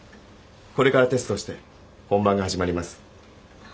これからテストをして本番が始まります。